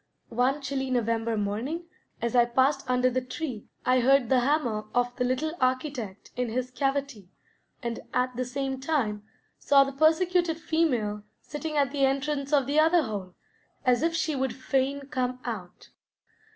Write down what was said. One chilly November morning, as I passed under the tree, I heard the hammer of the little architect in his cavity, and at the same time saw the persecuted female sitting at the entrance of the other hole as if she would fain come out.